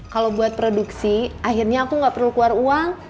kalau buat produksi akhirnya aku nggak perlu keluar uang